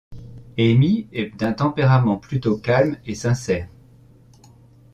Amy est d'un tempérament plutôt calme et sincère.